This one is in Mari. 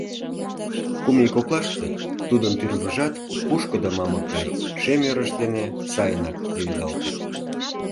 Кум ий коклаште тудын тӱрвыжат пушкыдо мамык гай шем ӧрыш дене сайынак леведалте.